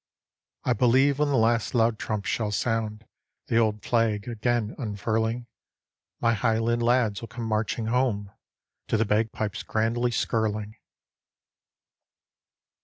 I believe when the last loud trump shall sound, The old flag again unfurling, My highland lads will come marching home To the bagpipes grandly skirling.